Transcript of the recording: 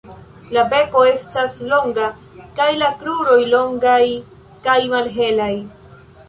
La beko estas longa kaj la kruroj longaj kaj malhelaj.